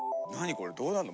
これどうなるの？